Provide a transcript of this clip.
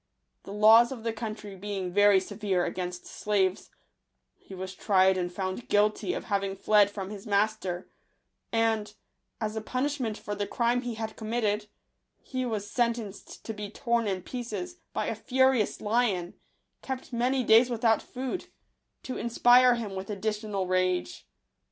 The laws of the country being very severe against slaves, he was tried and found guilty of having fled from his master; and, as a pun ishment for the crime he had committed* be was sentenced to be torn in pieces by a furious* lion, kept many days without food, to inspire him with additional rage.